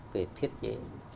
về thiết chế